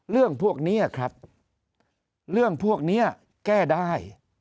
เรื่องพวกนี้ครับเรื่องพวกนี้แก้ได้